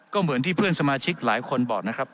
ก็เหมือนที่เพื่อนสมาชิกหลายคนบอกนะครับ